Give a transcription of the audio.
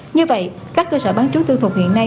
như vậy các cơ sở bán trú tư thuộc hiện nay